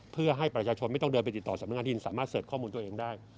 เพื่อให้ประชาชนไม่ต้องเดินไปติดต่อสำนักงานที่ดินสามารถเสิร์ชข้อมูลตัวเองได้